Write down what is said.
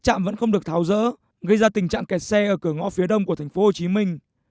trạm vẫn không được tháo rỡ gây ra tình trạng kẹt xe ở cửa ngõ phía đông của thành phố hồ chí minh